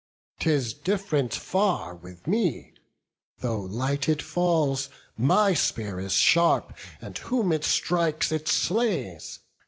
'Tis diff'rent far with me! though light it fall, My spear is sharp, and whom it strikes, it slays.